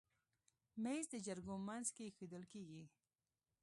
مېز د جرګو منځ کې ایښودل کېږي.